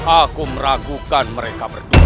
aku meragukan mereka berdua